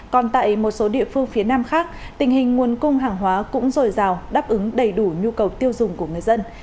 còn tại một số địa phương phía nam khác tình hình nguồn cung hàng hóa cũng dồi dào đáp ứng đầy đủ nhu cầu tiêu dùng của người dân